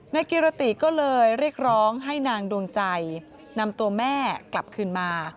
กิรติก็เลยเรียกร้องให้นางดวงใจนำตัวแม่กลับคืนมา